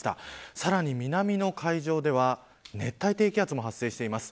さらに南の海上では熱帯低気圧も発生しています。